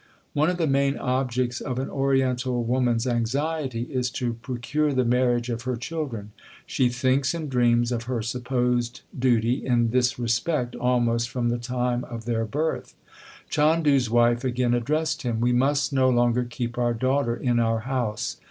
One of the main objects of an Oriental woman s anxiety is to procure the marriage of her children. She thinks and dreams of her supposed duty in this respect almost from the time of their birth. Chandu s wife again addressed him : We must no longer keep our daughter in our house.